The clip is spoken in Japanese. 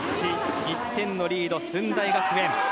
１点のリード、駿台学園。